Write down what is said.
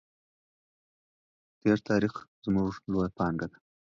تېر تاریخ زموږ لویه پانګه ده.